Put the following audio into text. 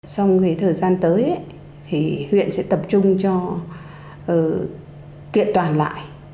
xong thì thời gian tới thì huyện sẽ tập trung cho kiện toàn lại